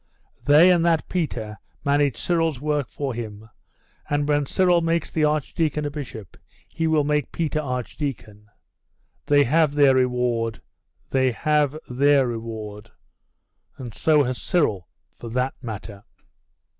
They and that Peter manage Cyril's work for him, and when Cyril makes the archdeacon a bishop, he will make Peter archdeacon....They have their reward, they have their reward; and so has Cyril, for that matter.